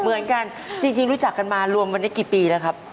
เหมือนกันจริงรู้จักกันมารวมวันนี้กี่ปีแล้วครับ